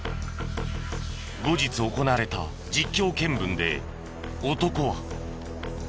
後日行われた実況見分で男は。